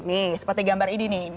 nih seperti gambar ini nih